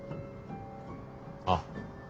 ああ。